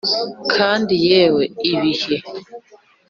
kandi yewe ibihe